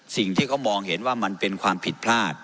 สิ่งที่เขามองเห็นว่ามันเป็นความผิดพลาด